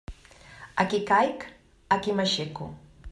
Aquí caic, aquí m'aixeco.